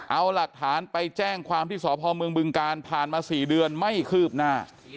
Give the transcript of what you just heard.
เอาหลักฐานไปแจ้งความที่สพเมืองบึงการผ่านมา๔เดือนไม่คืบหน้า